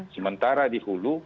sementara di hulu